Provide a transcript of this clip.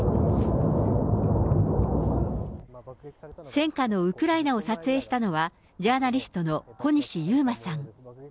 戦禍のウクライナを撮影したのは、ジャーナリストの小西遊馬さん。